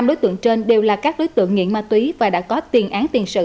năm đối tượng trên đều là các đối tượng nghiện ma túy và đã có tiền án tiền sự